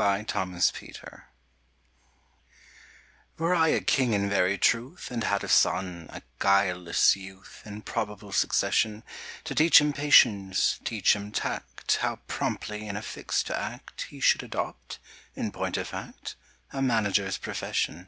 A MANAGER'S PERPLEXITIES WERE I a king in very truth, And had a son—a guileless youth— In probable succession; To teach him patience, teach him tact, How promptly in a fix to act, He should adopt, in point of fact, A manager's profession.